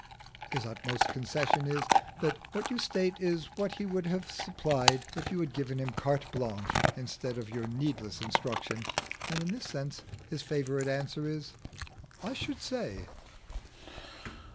His utmost concession is, that what you state is what he would have supplied if you had given him carte blanche instead of your needless instruction, and in this sense his favourite answer is, "I should say."